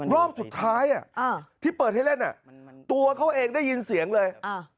รอบสุดท้ายที่เปิดให้เล่นตัวเขาเองได้ยินเสียงเลย